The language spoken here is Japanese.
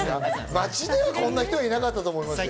街ではこんな人はいなかったと思いますけど。